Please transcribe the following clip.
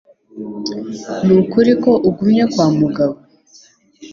Nukuri ko ugumye kwa Mugabo?